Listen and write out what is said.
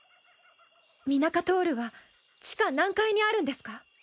ミナカトールは地下何階にあるんですか？